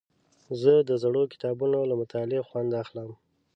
زه د زړو کتابونو له مطالعې خوند اخلم.